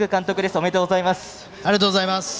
おめでとうございます。